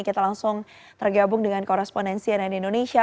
kita langsung tergabung dengan korespondensi nn indonesia